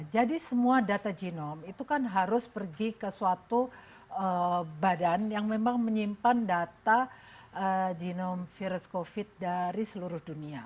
jadi semua data genome itu kan harus pergi ke suatu badan yang memang menyimpan data genome virus covid dari seluruh dunia